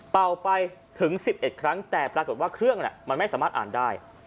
เป่าไปถึง๑๑ครั้งแต่ปรากฏว่าเครื่องมันไม่สามารถอ่านได้